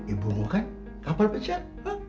ibu mau kan kapal pesiat